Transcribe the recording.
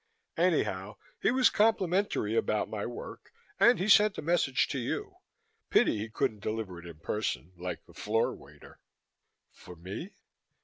Anyhow, he was complimentary about my work and he sent a message to you. Pity he couldn't deliver it in person, like the floor waiter." "For me?"